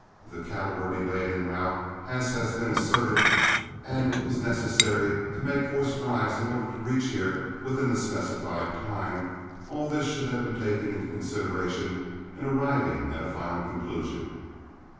If the cattle were delayed en route, as has been asserted, and it was necessary to make forced drives in order to reach here within the specified time, all this should be taken into consideration in arriving at a final conclusion.